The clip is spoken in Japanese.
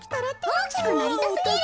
おおきくなりたすぎる。